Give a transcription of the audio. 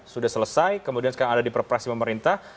sudah selesai kemudian sekarang ada di perpresi pemerintah